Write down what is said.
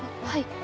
はい。